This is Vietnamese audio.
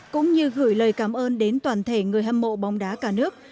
cũng như gửi lời cảm ơn đến toàn thể người hâm mộ bóng đá cả nước